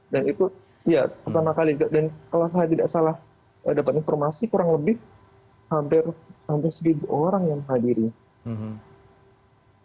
dan itu ya pertama kali dan kalau saya tidak salah dapat informasi kurang lebih hampir seribu orang yang hadirin